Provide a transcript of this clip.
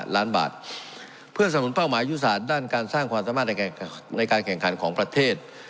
ล้านบาทเพื่อสนุนเป้าหมายยุทธศาสตร์ด้านการสร้างความสามารถในการแข่งขันของประเทศ